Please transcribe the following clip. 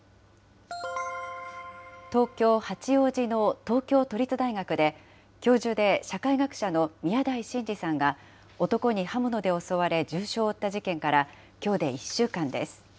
東京・八王子の東京都立大学で、教授で社会学者の宮台真司さんが、男に刃物で襲われ重傷を負った事件から、きょうで１週間です。